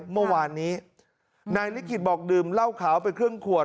เมื่อวานนี้นายลิขิตบอกดื่มเหล้าขาวไปครึ่งขวด